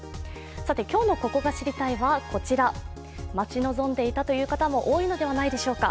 さて、今日の「ここが知りたい！」は待ち望んでいたという方も多いのではないでしょうか。